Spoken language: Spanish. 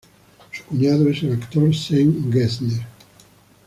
Su cuñado es el actor Zen Gesner.